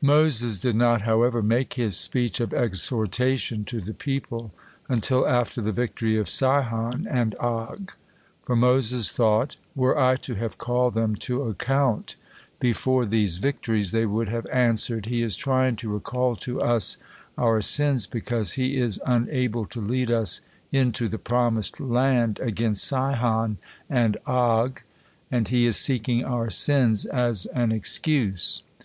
Moses did not, however, make his speech of exhortation to the people until after the victory of Sihon and Og, for Moses thought: "Were I to have called them to account before these victories, they would have answered, 'He is trying to recall to us our sins because he is unable to lead us into the promised land against Sihon and Og, and he is seeking our sins as an excuse.'"